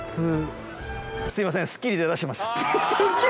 すいません。